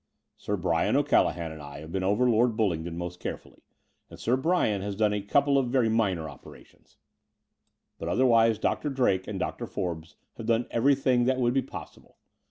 "Sir Bryan O'Callaghan and I have been over Lord Bullingdon most carefully, and Sir Bryan has done a couple of very minor operations : but otherwise Dr. Drake // 78 The Door of the Vnieal and Dr. Forbes had done everything that could be possible.